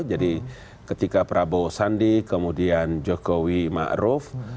jadi ketika prabowo sandi kemudian jokowi ma'ruf